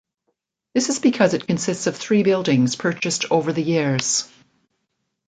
This is because it consists of three buildings, purchased over the years.